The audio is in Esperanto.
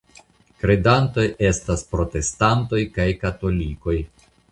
Kredantoj estas protestantoj kaj katolikoj.